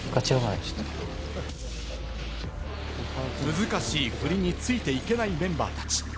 難しい振りについていけないメンバーたち。